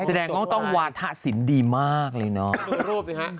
แสดงเขาก็ต้องวาถสินดีมากเลยเนาะ